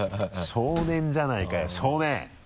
少年じゃないかよ少年！